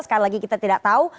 sekali lagi kita tidak tahu